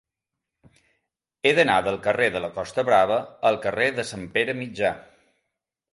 He d'anar del carrer de la Costa Brava al carrer de Sant Pere Mitjà.